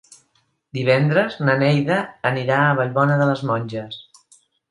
Divendres na Neida anirà a Vallbona de les Monges.